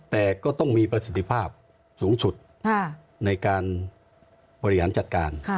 แต่ก็ต้องมีประสิทธิภาพสูงสุดในการบริหารจัดการ